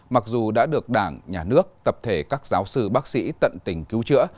mặc dù đã được đảng nhà nước tập thể các giáo sư bác sĩ tận tình cứu chữa